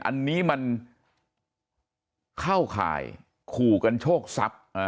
อันนี้มันเข้าข่ายขู่กันโชคทรัพย์